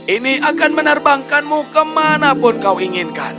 ini akan menerbangkanmu kemanapun